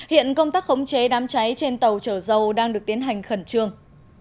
hiện công tác khống chế đám cháy trên tàu trở dầu đang được tiến hành khẩn trương